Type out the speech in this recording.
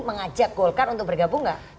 mengajak golkar untuk bergabung gak